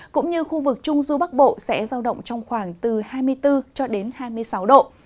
cũng như khu vực trung du bắc bộ sẽ giao động trong khoảng từ hai mươi bốn cho đến hai mươi sáu độ